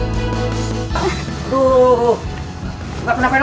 aduh gak pernah main apaan lo